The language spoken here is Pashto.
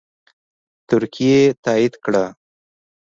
ترکیې تایید کړه